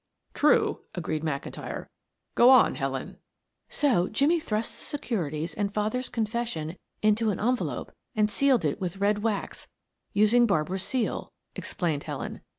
"True," agreed McIntyre. "Go on, Helen." "So Jimmie thrust the securities and father's confession into an envelope and sealed it with red wax, using Barbara's seal," explained Helen.